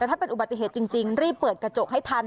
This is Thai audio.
ถ้าเป็นอุบัติเหตุจริงรีบเปิดกระจกให้ทัน